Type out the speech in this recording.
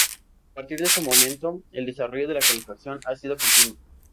A partir de ese momento, el desarrollo de la calefacción ha sido continuo.